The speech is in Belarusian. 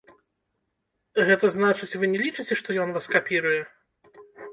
Гэта значыць, вы не лічыце, што ён вас капіруе?